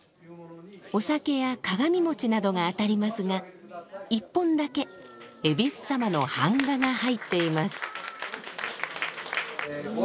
お酒や鏡餅などが当たりますが１本だけえびす様の版画が入っています。